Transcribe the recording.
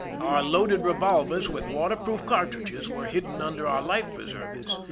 Our loaded revolvers with waterproof cartridges were hidden under our life preservers.